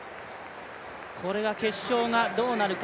これが、決勝がどうなるか。